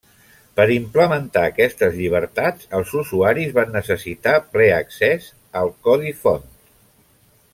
Per implementar aquestes llibertats, els usuaris van necessitar ple accés al codi font.